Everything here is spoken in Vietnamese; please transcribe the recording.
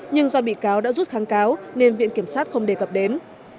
nhưng do bị cáo đã rút kháng cáo nên viện kiểm sát không đề cập đến